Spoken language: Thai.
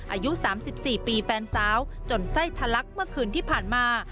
อายุ๓๔ปีแฟนสาวจนไส้ทะลักเมื่อคืนที่ผ่านมา